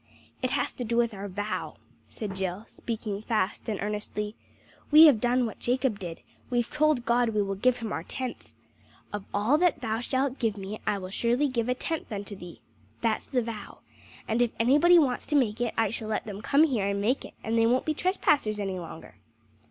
"It has to do with our vow," said Jill, speaking fast and earnestly. "We have done what Jacob did, we've told God we'll give Him our tenth. 'Of all that Thou shalt give me, I will surely give a tenth unto Thee.' That's the vow. And if anybody wants to make it I shall let them come here and make it, and they won't be trespassers any longer."